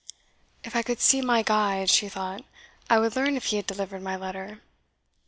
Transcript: "If I could see my guide," she thought, "I would learn if he had delivered my letter.